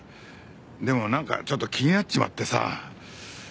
でもなんかちょっと気になっちまってさ。